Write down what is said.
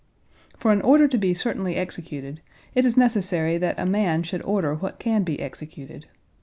For an order to be certainly executed, it is necessary that a man should order what can be executed.